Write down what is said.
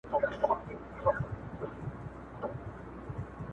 د پزي په ناروغي اخته سو